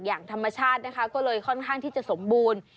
อย่างธรรมชาตินะคะก็เลยค่อนข้างที่จะสมบูรณ์